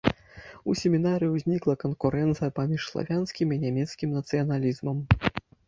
У семінарыі ўзнікла канкурэнцыя паміж славянскім і нямецкім нацыяналізмам.